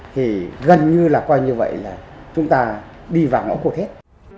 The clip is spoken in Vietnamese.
thì gần như là coi như vậy là chúng ta đi vào ngõ cổ tết